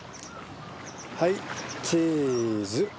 はいチーズ！